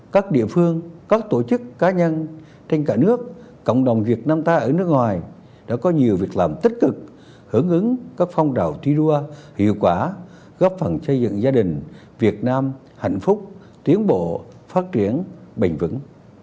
các địa phương các tổ chức cá nhân trên cả nước cộng đồng việt nam ta ở nước ngoài đã có nhiều việc làm tích cực hưởng ứng các phong trào thi đua hiệu quả góp phần xây dựng gia đình việt nam hạnh phúc tiến bộ phát triển bền vững